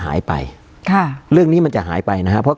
การแสดงความคิดเห็น